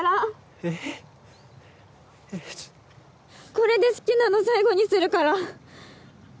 これで好きなの最後にするから